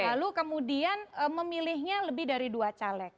lalu kemudian memilihnya lebih dari dua caleg